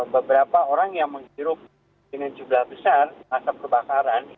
beberapa orang yang menghirup dengan jumlah besar asap kebakaran